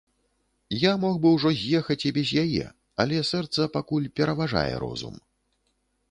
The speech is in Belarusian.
Я мог бы ўжо з'ехаць і без яе, але сэрца пакуль пераважвае розум.